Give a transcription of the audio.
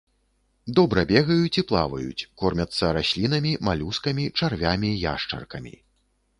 Добра бегаюць і плаваюць, кормяцца раслінамі, малюскамі, чарвямі, яшчаркамі.